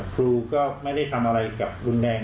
ครูก็ไม่ได้ทำอะไรกับรุนแรง